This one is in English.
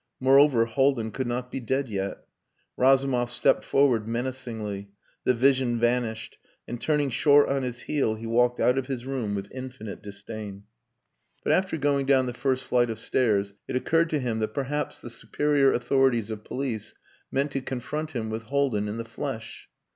Moreover, Haldin could not be dead yet. Razumov stepped forward menacingly; the vision vanished and turning short on his heel he walked out of his room with infinite disdain. But after going down the first flight of stairs it occurred to him that perhaps the superior authorities of police meant to confront him with Haldin in the flesh.